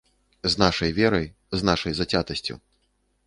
З нашай верай, з нашай зацятасцю.